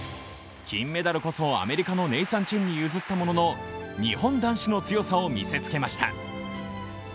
金メダルこそアメリカのネイサン・チェンに譲ったものの、日本男子の強さを見せつけました。